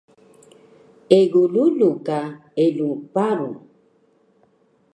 Egu rulu ka eluw paru